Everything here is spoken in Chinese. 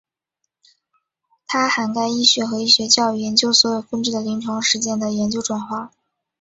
它涵盖医学和医学教育研究所有分支的临床实践的研究转化。